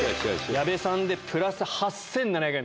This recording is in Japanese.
矢部さんでプラス８７００円。